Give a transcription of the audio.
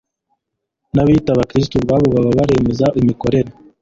nabiyita Abakristo ubwabo baba baremaza imikorere